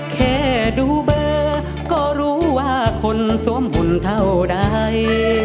แค่ดูเบอร์ก็รู้ว่าคนสวมหุ่นเท่าใด